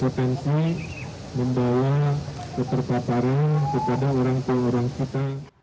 karena penyekat tni membawa keterpaparan kepada orang orang kita